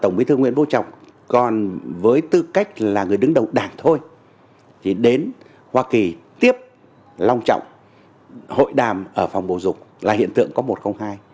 tổng bí thư nguyễn vũ trọng còn với tư cách là người đứng đầu đảng thôi thì đến hoa kỳ tiếp long trọng hội đàm ở phòng bổ dục là hiện tượng có một không hai